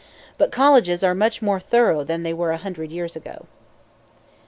But colleges are much more thorough than they were a hundred years ago.